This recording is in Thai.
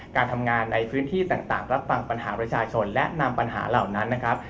การทำงานในพื้นที่ต่างรับฟังปัญหาประชาชนและนำปัญหาเหล่านั้นนะครับ